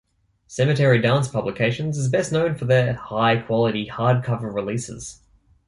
Cemetery Dance Publications is best known for their high quality hardcover releases.